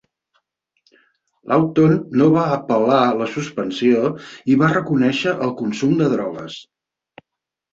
Lawton no va apel·lar la suspensió i va reconèixer el consum de drogues.